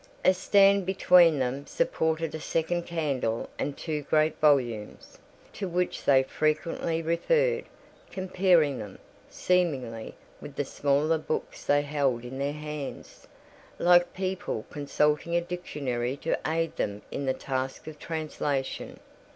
A stand between them supported a second candle and two great volumes, to which they frequently referred, comparing them, seemingly, with the smaller books they held in their hands, like people consulting a dictionary to aid them in the task of translation.